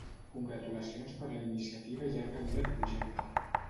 Congratulacions per la iniciativa i llarga vida al projecte.